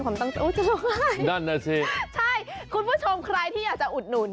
คุณผู้ชมใครที่อยากจะอุดหนุน